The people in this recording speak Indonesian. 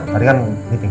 tadi kan meeting